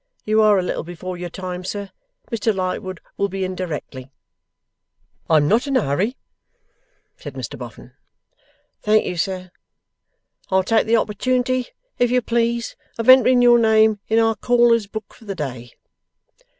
You are a little before your time, sir. Mr Lightwood will be in directly.' 'I'm not in a hurry,' said Mr Boffin 'Thank you, sir. I'll take the opportunity, if you please, of entering your name in our Callers' Book for the day.